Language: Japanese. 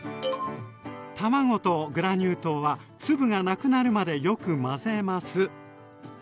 卵とグラニュー糖は粒がなくなるまでよく混ぜます。